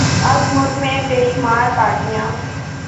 آج ملک میں بے شمار پارٹیاں